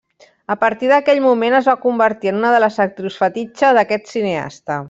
A partir d'aquell moment, es va convertir en una de les actrius fetitxe d'aquest cineasta.